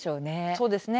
そうですね。